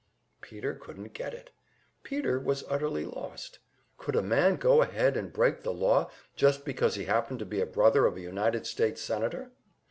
Peter couldn't "get it"; Peter was utterly lost. Could a man go ahead and break the law, just because he happened to be a brother of a United States senator?